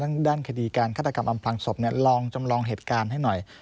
ด้านคดีการฆาตกรรมอำพลังศพลองจำลองเหตุการณ์ให้หน่อย